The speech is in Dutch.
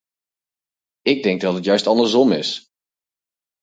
Ik denk dat het juist andersom is.